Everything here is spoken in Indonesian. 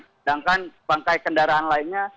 sedangkan bangkai kendaraan lainnya